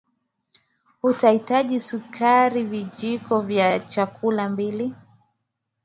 utahitaji sukari vijiko vya chakula mbili